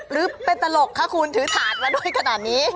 หรือเป็นตลกคะคุณถือถาดมาด้วยขนาดนี้